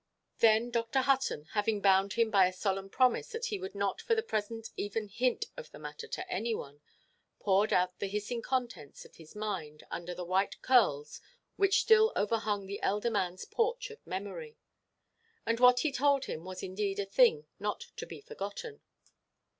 Then Dr. Hutton, having bound him by a solemn promise that he would not for the present even hint of that matter to any one, poured out the hissing contents of his mind under the white curls which still overhung the elder manʼs porch of memory. And what he told him was indeed a thing not to be forgotten.